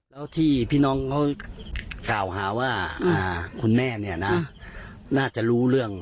แล้วที่พี่น้องเขากล่าวหาว่าคุณแม่เนี่ยนะน่าจะรู้เรื่อง